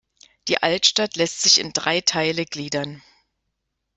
Die Altstadt lässt sich in drei Teile gliedern.